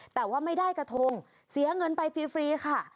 แต่ว่าไม่ได้กระทงเสียเงินไปฟรีค่ะ